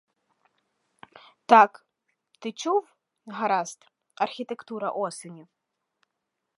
Так, ти чув гаразд: архітектура осені.